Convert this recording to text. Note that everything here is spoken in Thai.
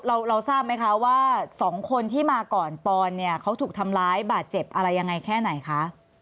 เราทราบไหมคะว่าสองคนที่มาก่อนปอนเนี่ยเขาถูกทำร้ายบาดเจ็บอะไรยังไงแค่ไหนคะ